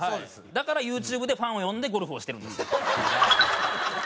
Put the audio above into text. だからユーチューブでファンを呼んでゴルフをしてるんですよ。